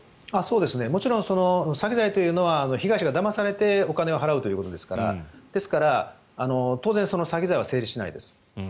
もちろん詐欺罪というのは被害者がだまされてお金を払うということですから当然、詐欺罪は成立しないです。